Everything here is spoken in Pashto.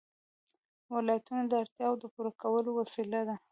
ولایتونه د اړتیاوو د پوره کولو وسیله ده.